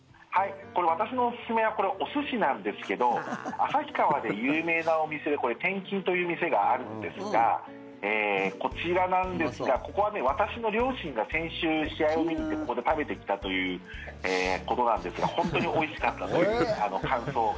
私のおすすめはお寿司なんですけど旭川で有名なお店で天金という店があるんですがこちらなんですがここは私の両親が先週、試合を見に行ってここで食べてきたということなんですが本当においしかったという感想を。